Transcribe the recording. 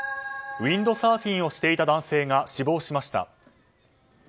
ウインドサーフィンをしていた男性が死亡しました。